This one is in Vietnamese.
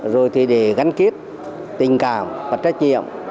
rồi thì để gắn kết tình cảm và trách nhiệm